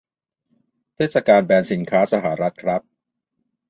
เทศกาลแบนสินค้าสหรัฐครับ